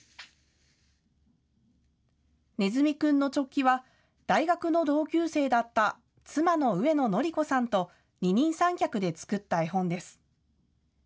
ねずみくんのチョッキは、大学の同級生だった妻の上野紀子さんと、二人三脚で作った絵本です。